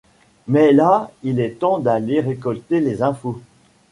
Mais là il est temps d'aller récolter les infos.